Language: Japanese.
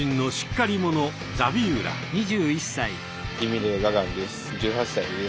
ギミレ・ガガンです。